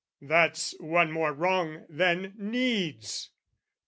That's one more wrong than needs.